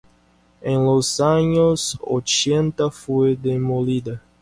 En los años ochenta fue demolida.